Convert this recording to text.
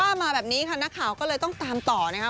มาแบบนี้ค่ะนักข่าวก็เลยต้องตามต่อนะคะ